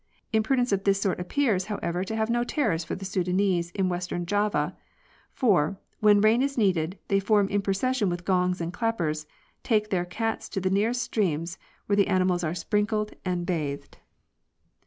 Imprudence of this sort appears, however, to have no terrors for the Soudan ese In western Java, for, when rain is needed, they form in procession with gongs and clappers, take their cats to the nearest streams, where the animals are sprinkled and bathed.